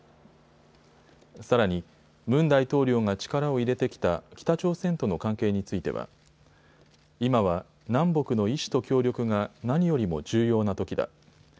さらに、ムン大統領が力を入れてきた北朝鮮との関係については今は南北の意志と協力が何よりも重要なときだ。